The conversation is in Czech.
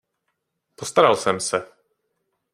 Postaral jsem se.